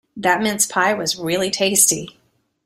That mince pie was really tasty.